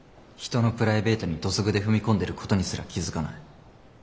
人のプライベートに土足で踏み込んでることにすら気付かない。